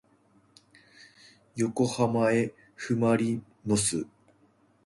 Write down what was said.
よこはまえふまりのす